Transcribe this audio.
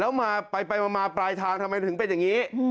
แล้วมาไปมาปลายทางทำไมถึงเป็นอย่างนี้